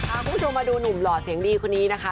คุณผู้ชมมาดูหนุ่มหล่อเสียงดีคนนี้นะคะ